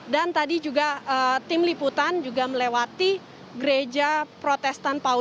dan tadi juga tim liputan juga melewati gereja proteksi